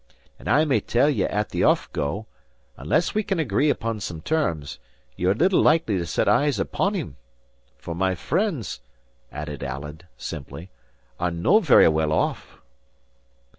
And I may tell ye at the off go, unless we can agree upon some terms, ye are little likely to set eyes upon him. For my friends," added Alan, simply, "are no very well off."